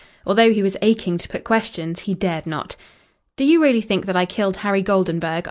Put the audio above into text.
Although he was aching to put questions he dared not. "Do you really think that I killed Harry Goldenburg?"